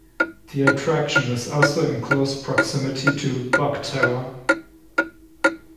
The attraction is also in close proximity to Bok Tower.